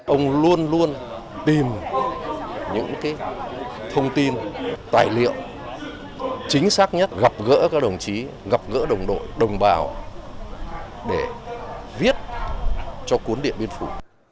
ông luôn luôn tìm những thông tin tài liệu chính xác nhất gặp gỡ các đồng chí gặp gỡ đồng đội đồng bào để viết cho cuốn điện biên phủ